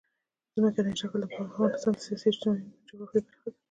ځمکنی شکل د افغانستان د سیاسي جغرافیه برخه ده.